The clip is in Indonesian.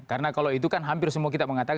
karena kalau itu kan hampir semua kita mengatakan